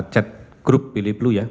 chat group pilih blue ya